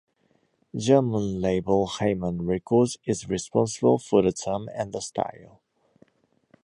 German label Hymen Records is responsible for the term and the style.